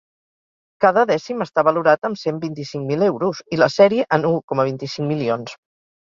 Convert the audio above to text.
Cada dècim està valorat amb cent vint-i-cinc mil euros i la sèrie en u coma vint-i-cinc milions.